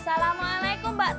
assalamu'alaikum mbak tati